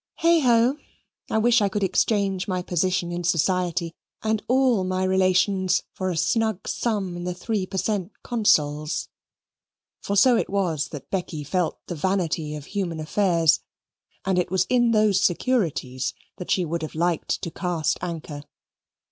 Heigho! I wish I could exchange my position in society, and all my relations for a snug sum in the Three Per Cent. Consols"; for so it was that Becky felt the Vanity of human affairs, and it was in those securities that she would have liked to cast anchor.